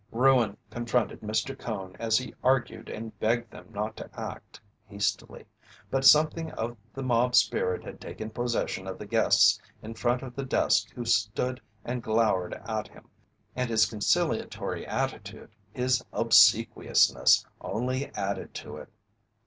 Ruin confronted Mr. Cone as he argued and begged them not to act hastily. But something of the mob spirit had taken possession of the guests in front of the desk who stood and glowered at him, and his conciliatory attitude, his obsequiousness, only added to it.